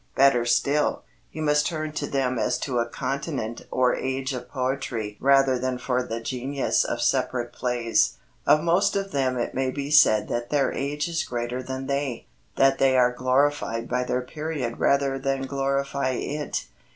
Better still, he must turn to them as to a continent or age of poetry rather than for the genius of separate plays. Of most of them it may be said that their age is greater than they that they are glorified by their period rather than glorify it.